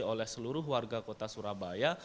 oleh seluruh warga kota surabaya